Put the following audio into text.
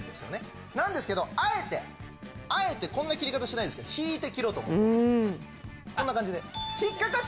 なんですけどあえてあえてこんな切り方しないですけど引いて切ろうと思うとこんな感じで。